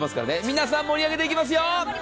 皆さん、盛り上げていきますよ。